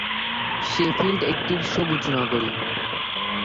Sheffield একটি সবুজ নগরী।